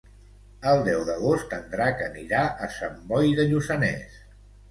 El deu d'agost en Drac anirà a Sant Boi de Lluçanès.